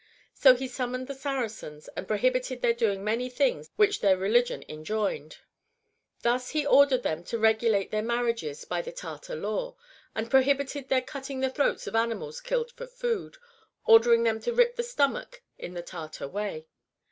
So he summoned the Saracens and prohibited their doing many things which their religion enjoined. Thus, he ordered them to regulate their marriages by the Tartar Law, and prohibited their cutting the throats of animals killed for food, ordering them to rip the stomach in the Tartar way.